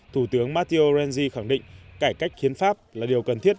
thủ tướng matteo renzi khẳng định cải cách hiến pháp là điều cần thiết